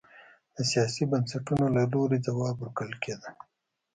د سیاسي بنسټونو له لوري ځواب ورکول کېده.